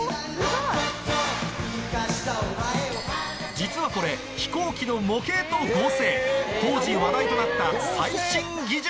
実はこれ飛行機の模型と合成当時話題となった最新技術